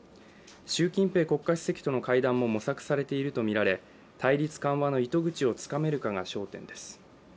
習近平国家主席との会談も模索されているとみられ、対立緩和の糸口をつかめるかが焦点です。